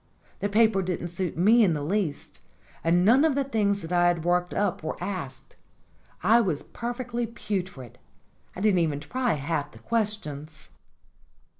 The paper didn't suit me in the least, and none of the things that I had worked up were asked. I was per fectly putrid. I didn't even try half the questions."